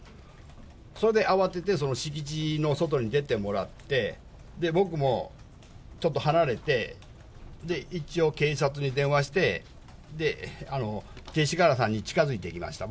それで慌てて敷地の外に出てもらって、僕もちょっと離れて、一応警察に電話して、勅使河原さんに近づいていきました。